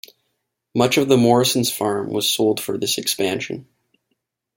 Much of the Morrison's farm was sold for this expansion.